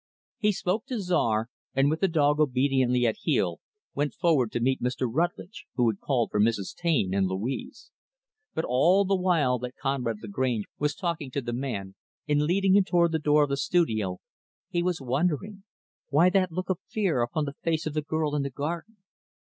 He spoke to Czar, and with the dog obediently at heel went forward to meet Mr. Rutlidge, who had called for Mrs. Taine and Louise. But all the while that Conrad Lagrange was talking to the man, and leading him toward the door of the studio, he was wondering why that look of fear upon the face of the girl in the garden?